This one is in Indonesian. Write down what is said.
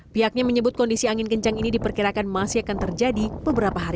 pihaknya menyebut kondisi angin kencang ini diperkirakan masih akan terjadi beberapa hari